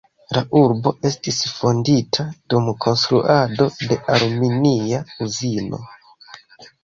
La urbo estis fondita dum konstruado de aluminia uzino.